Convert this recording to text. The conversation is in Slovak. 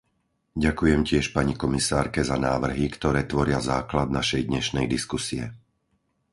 Ďakujem tiež pani komisárke za návrhy, ktoré tvoria základ našej dnešnej diskusie.